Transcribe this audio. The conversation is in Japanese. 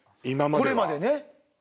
これまでね。